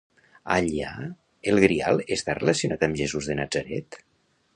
Allà el Grial està relacionat amb Jesús de Natzaret?